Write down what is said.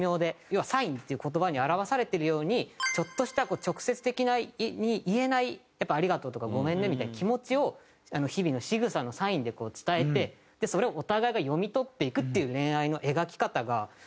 要は「サイン」っていう言葉に表されてるようにちょっとした直接的に言えない「ありがとう」とか「ごめんね」みたいな気持ちを日々のしぐさのサインでこう伝えてそれをお互いが読み取っていくっていう恋愛の描き方が。